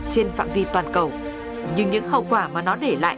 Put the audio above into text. trên phạm vi toàn cầu nhưng những hậu quả mà nó để lại